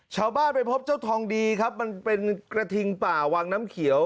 ชาวบ้านไปพบเจ้าทองดีครับมันเป็นกระทิงป่าวังน้ำเขียว